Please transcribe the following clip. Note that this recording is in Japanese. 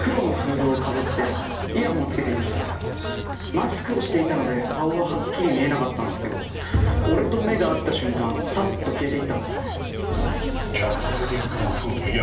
何⁉マスクをしていたので顔ははっきり見えなかったんすけど俺と目が合った瞬間さっと消えて行ったんすよね。